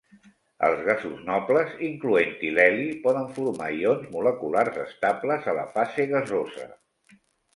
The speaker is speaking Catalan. Els gasos nobles, incloent-hi l'heli, poden formar ions moleculars estables a la fase gasosa.